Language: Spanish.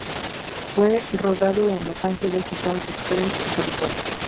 Fue rodado en Los Ángeles y Palm Springs, California.